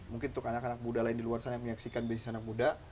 mungkin untuk anak anak muda lain di luar sana yang menyaksikan bisnis anak muda